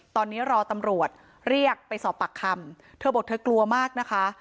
ตอนนี้รอตำรวจเรียกไปสอบปากคำเธอบอกเธอกลัวมากนะคะ